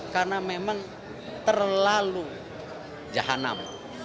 karena memang terlalu jahannam